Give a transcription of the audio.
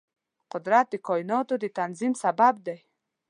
قدرت د کایناتو د تنظیم سبب دی.